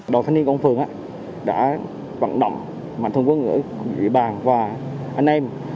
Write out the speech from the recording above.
đội phân yên của ông phường đã vận động mạng thông quân của vị bàn và anh em